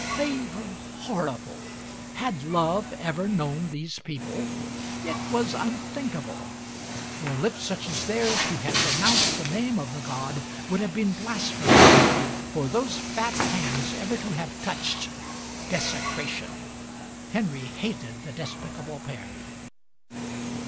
They were horrible. Had Love ever known these people? It was unthinkable! For lips such as theirs to have pronounced the name of the god would have been Digitized by Google MARY SMITH 158 blasphemy; for those fat hands ever to have touched, desecration! Henry hated the despicable pair.